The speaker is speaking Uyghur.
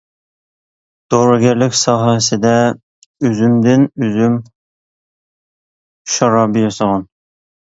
دورىگەرلىك ساھەسىدە ئۈزۈمدىن ئۈزۈم شارابى ياسىغان.